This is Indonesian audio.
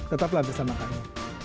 tetaplah bersama kami